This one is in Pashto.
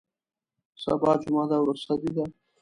سبا جمعه ده او رخصتي ده.